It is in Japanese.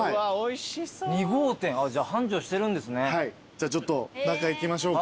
じゃあちょっと中行きましょうか。